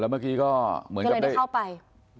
แล้วเมื่อกี้ก็เหมือนกับมีอะไรได้เข้าไป